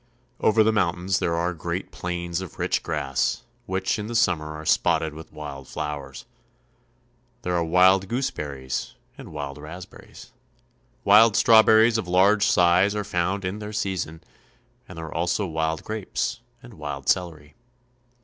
Over the mountains there are great plains of rich grass, which in the summer are spotted with wild flowers. There are wild gooseberries and wild raspberries. Wild straw berries of large size are found in their season, and there are also wild grapes and wild celery.